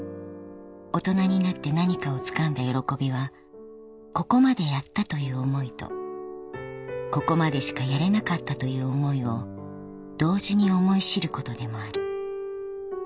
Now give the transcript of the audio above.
［大人になって何かをつかんだ喜びはここまでやったという思いとここまでしかやれなかったという思いを同時に思い知ることでもある］